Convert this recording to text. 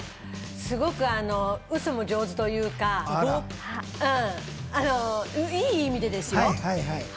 すごくうそも上手というか、いい意味ですよ。